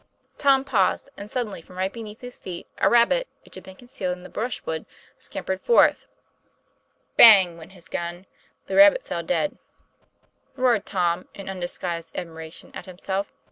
Tom paused, and suddenly, from right beneath his feet, a rabbit which had been concealed in the brushwood scampered forth. Bang! went his gun; the rabbit fell dead. "Ain't I getting to be a great hunter!" roared Tom in undisguised admiration at himself.